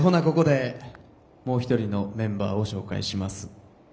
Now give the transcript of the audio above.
ここでもう一人のメンバーを紹介します。